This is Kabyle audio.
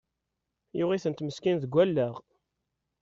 Yuɣ-itent meskin deg allaɣ!